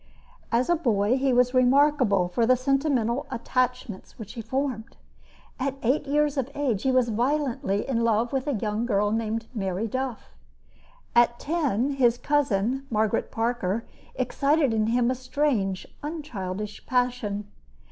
As a boy, he was remarkable for the sentimental attachments which he formed. At eight years of age he was violently in love with a young girl named Mary Duff. At ten his cousin, Margaret Parker, excited in him a strange, un childish passion.